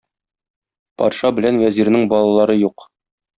Патша белән вәзирнең балалары юк.